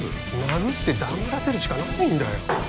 殴って黙らせるしかないんだよ